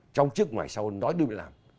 trong trước ngoài sau nói đúng để làm